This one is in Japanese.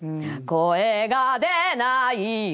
声が出ないよ。